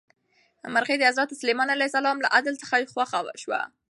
مرغۍ د حضرت سلیمان علیه السلام له عدل څخه خوښه شوه.